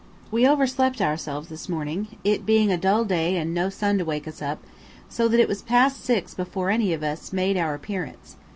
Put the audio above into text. We over slept ourselves this morning, it being a dull day and no sun to wake us up, so that it was past 6 before any of us made our appearance.